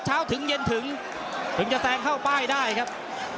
ถึงเย็นถึงถึงจะแซงเข้าป้ายได้ครับ